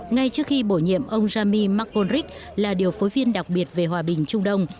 ngay trước khi bổ nhiệm ông jamie mcelrich là điều phối viên đặc biệt về hòa bình trung đông